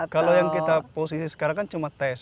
kalau yang kita posisi sekarang kan cuma tes